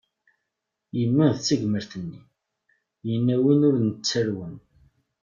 Yemma d tagmert-nni, yenna win ur nettarwen.